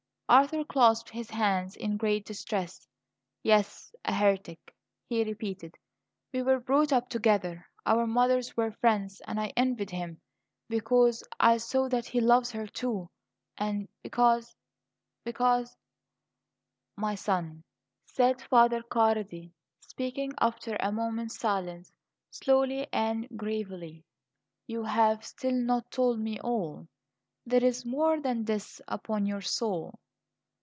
Arthur clasped his hands in great distress. "Yes, a heretic," he repeated. "We were brought up together; our mothers were friends and I envied him, because I saw that he loves her, too, and because because " "My son," said Father Cardi, speaking after a moment's silence, slowly and gravely, "you have still not told me all; there is more than this upon your soul."